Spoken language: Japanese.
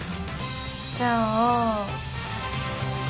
じゃあ。